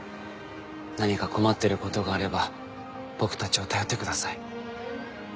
何か困ってることがあれば僕たちを頼ってください。